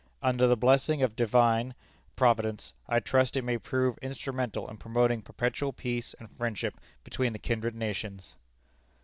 Under the blessing of Divine Providence I trust it may prove instrumental in promoting perpetual peace and friendship between the kindred nations."